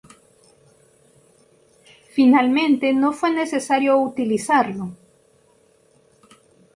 Finalmente no fue necesario utilizarlo.